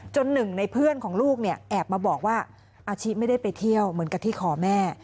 หนึ่งในเพื่อนของลูกเนี่ยแอบมาบอกว่าอาชิไม่ได้ไปเที่ยวเหมือนกับที่ขอแม่